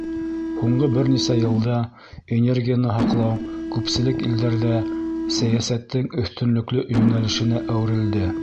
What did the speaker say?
— Һуңғы бер нисә йылда энергияны һаҡлау күпселек илдәрҙә сәйәсәттең өҫтөнлөклө йүнәлешенә әүерелде.